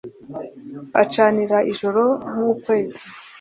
acanira ijoro nk’ukwezi